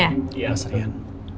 iya mas rian